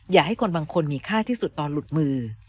อย่าให้คนบางคนมีค่าที่สุดตอนหลุดมือ